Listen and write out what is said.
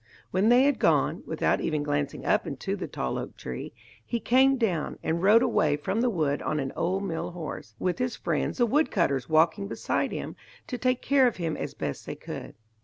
When they had gone, without even glancing up into the tall oak tree, he came down, and rode away from the wood on an old mill horse, with his friends the wood cutters walking beside him to take care of him as best they could.